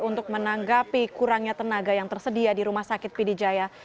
untuk menanggapi kurangnya tenaga yang tersedia di rumah sakit pidijaya